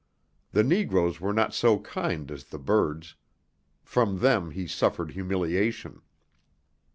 The negroes were not so kind as the birds. From them he suffered humiliation.